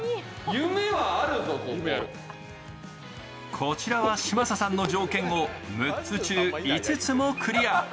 こちらは嶋佐さんの条件を６つ中、５つもクリア。